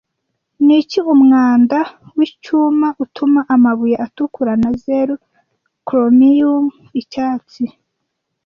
Niki umwanda wicyuma utuma amabuye atukura na zeru Chromium icyatsi